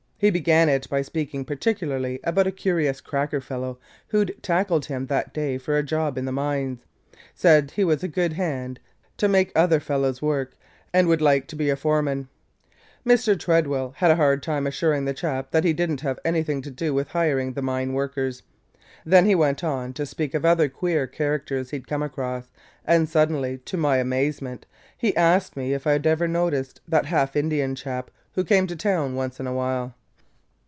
He began it by speaking particularly about a curious cracker fellow who 'd tackled him that day for a job in the mines – said he was a 'good hand tuh make othah fellahs work and would like to be a foreman'! Mr. Tredwell had a hard time assuring the chap that he did n't have anything to do with hiring the mine workers. Then he went on to speak of other queer characters he 'd come across and suddenly, to my amazement, he asked me if I 'd ever noticed that half Indian chap who came to town once in a while.